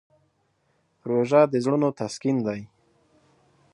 روژه د زړونو تسکین دی.